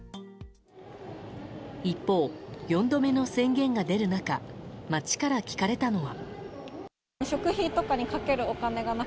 一方、４度目の宣言が出る中街から聞かれたのは。